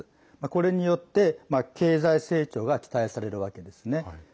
これによって経済成長が期待されるわけですね。